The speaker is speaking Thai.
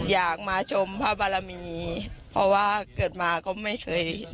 อยากมาชมพระบารมีเพราะว่าเกิดมาก็ไม่เคย